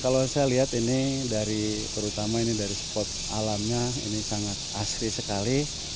kalau saya lihat ini dari terutama ini dari spot alamnya ini sangat asli sekali